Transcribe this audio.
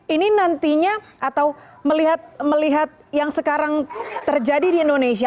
ini nantinya atau melihat yang sekarang terjadi di indonesia